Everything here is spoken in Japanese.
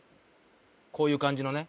こういう感じのね